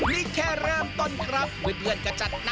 นี่แค่เริ่มต้นครับเวลาเดือนกระจัดหนักซะแล้ว